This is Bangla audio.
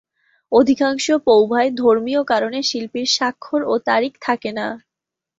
অধিকাংশ পৌভায় ধর্মীয় কারণে শিল্পীর স্বাক্ষর ও তারিখ থাকে না।